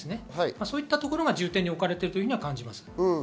そういうところが重点に置かれているように感じます。